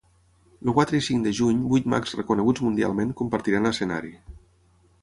El quatre i cinc de juny vuit mags reconeguts mundialment compartiran escenari.